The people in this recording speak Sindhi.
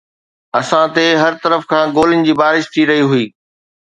اسان تي هر طرف کان گولين جي بارش ٿي رهي هئي